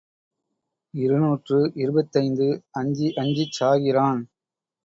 இருநூற்று இருபத்தைந்து அஞ்சி அஞ்சிச் சாகிறான்.